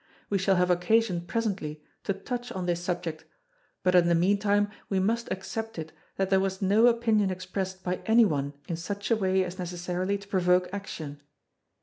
We shall have occasion presently to touch on this subject but in the meantime we must accept it that there was no opinion expressed by any one in such a way as necessarily to provoke action.